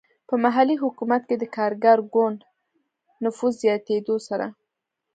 په محلي حکومت کې د کارګر ګوند نفوذ زیاتېدو سره.